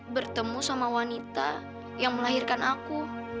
bertemu sama wanita yang melahirkan aku